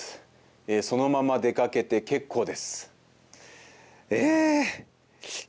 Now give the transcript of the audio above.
そのまま出かけて結構です。